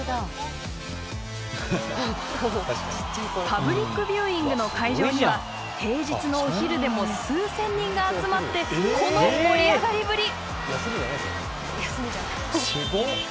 パブリックビューイングの会場には平日のお昼でも数千人が集まってこの盛り上がりぶり！